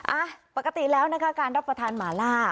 อ่ะปกติแล้วนะคะการรับประทานหมาล่า